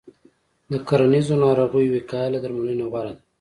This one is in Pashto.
د کرنیزو ناروغیو وقایه له درملنې غوره ده.